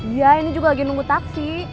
iya ini juga lagi nunggu taksi